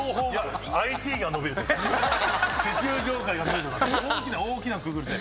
ＩＴが伸びるとか石油業界が伸びるとか大きな大きなくくりで。